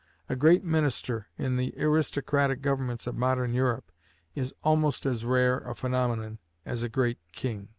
A great minister, in the aristocratic governments of modern Europe, is almost as rare a phenomenon as a great king.